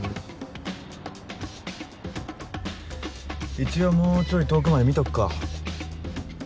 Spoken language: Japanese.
一応もうちょい遠くまで見とくか。